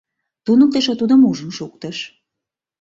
— туныктышо тудым ужын шуктыш.